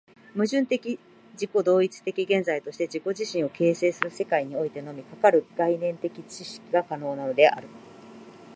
矛盾的自己同一的現在として自己自身を形成する世界においてのみ、かかる概念的知識が可能なのである。